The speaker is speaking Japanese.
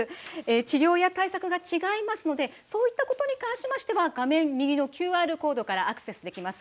治療や対策が違いますのでそういったことに関しては画面右のＱＲコードからアクセスできます